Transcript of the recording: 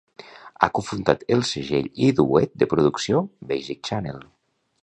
Ha cofundat el segell i duet de producció Basic Channel.